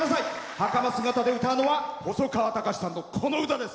はかま姿で歌うのは細川たかしさんの、この歌です。